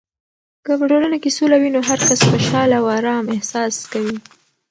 که په ټولنه کې سوله وي، نو هرکس خوشحال او ارام احساس کوي.